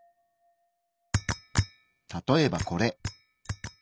例えばこれ。